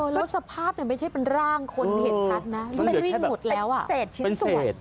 แล้วสภาพไม่ใช่เป็นร่างคนเห็นชัดนะมันวิ่งหมดแล้วเศษชิ้นส่วน